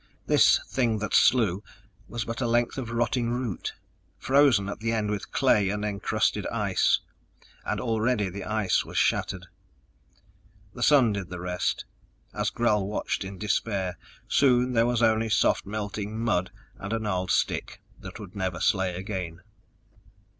This thing that slew was but a length of rotting root, frozen at the end with clay and encrusted ice. And already the ice was shattered. The sun did the rest, as Gral watched in despair; soon there was only soft melting mud and a gnarled stick that would never slay again.